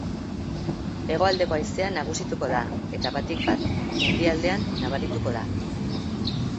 Hegoaldeko haizea nagusituko da eta, batik bat, mendialdean nabarituko da.